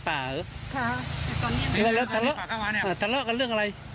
แต่ชาลเลือกแต่เลือกกับเรื่องอะไร